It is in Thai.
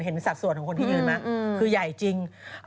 เห็นศาสตร์ส่วนคนที่ยืนมั้ยคือใหญ่จริง